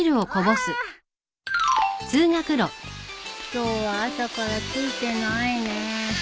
今日は朝からついてないねえ。